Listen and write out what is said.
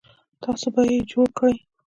تاسو به یې جوړ کړئ